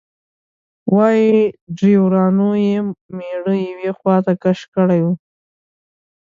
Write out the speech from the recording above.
وایي ډریورانو یې میړه یوې خواته کش کړی و.